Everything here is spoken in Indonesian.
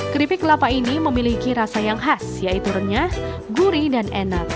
keripik kelapa ini memiliki rasa yang khas yaitu renyah gurih dan enak